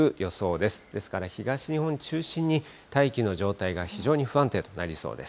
ですから東日本を中心に大気の状態が非常に不安定となりそうです。